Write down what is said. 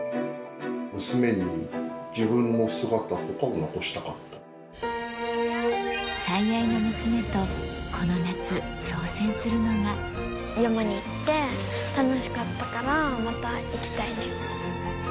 娘に自分の姿とかを残したか最愛の娘とこの夏、山に行って、楽しかったから、また行きたいねって。